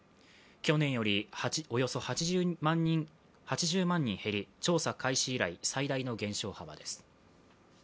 去年よりおよそ８０万人減り、調査開始以来、最大の減少幅です。